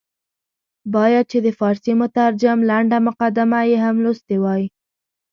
باید چې د فارسي مترجم لنډه مقدمه یې هم لوستې وای.